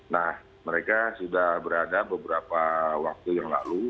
nah mereka sudah berada beberapa waktu yang lalu